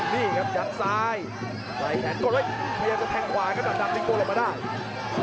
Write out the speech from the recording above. นี่ครับยัดซ้ายใส่แขนกดเลยเมฆ่าจะแทงกว่าครับดับดิงโกเลยมาได้